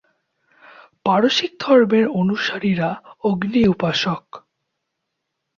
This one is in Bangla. পারসিক ধর্মের অনুসারীরা অগ্নি-উপাসক।